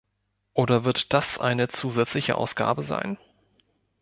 Oder wird das eine zusätzliche Ausgabe sein?